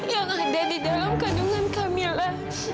yang ada di dalam kandungan camilla